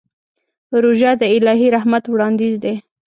روژه د الهي رحمت وړاندیز دی.